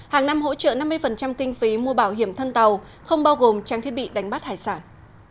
hàng năm hỗ trợ năm mươi kinh phí mua bảo hiểm thân tàu không bao gồm trang thiết bị đánh bắt hải sản